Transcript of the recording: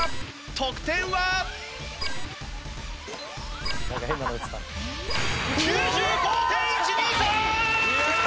得点は！？９５．１２３！